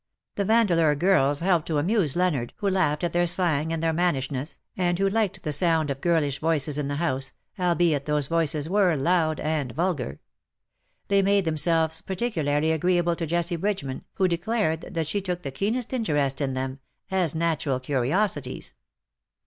The Vandeleur girls helped to amuse Leonard, who laughed at their slang and their mannishuess, and 190 "and pale from the past who liked the sound of girlish voices in the house — albeit those voices were loud and vulgar. They made themselves particularly agreeable to Jessie Bridgeman, who declared that she took the keenest interest in them — as natural curiosities.